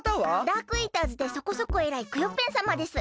ダークイーターズでそこそこえらいクヨッペンさまです。